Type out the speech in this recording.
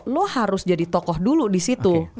lo harus jadi tokoh dulu di situ